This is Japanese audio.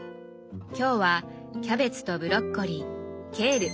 今日はキャベツとブロッコリーケール。